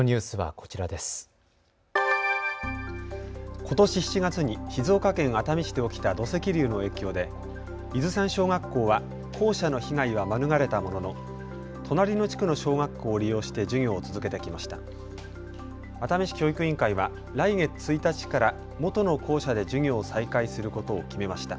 ことし７月に静岡県熱海市で起きた土石流の影響で伊豆山小学校は校舎の被害は免れたものの隣の地区の小学校を利用して授業を続けてきました。